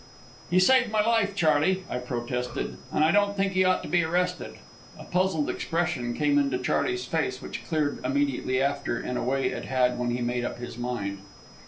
"He saved my life, Charley," I protested; "and I don't think he ought to be arrested." A puzzled expression came into Charley's face, which cleared immediately after, in a way it had when he made up his mind.